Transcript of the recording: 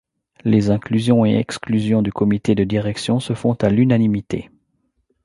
Les inclusions et exclusions du comité de direction se font à l'unanimité.